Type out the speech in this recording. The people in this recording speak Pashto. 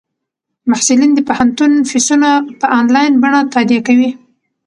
محصلین د پوهنتون فیسونه په انلاین بڼه تادیه کوي.